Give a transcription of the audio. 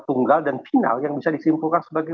tunggal dan final yang bisa disimpulkan sebagai